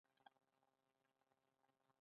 زه دې ولۍ جوړولم؟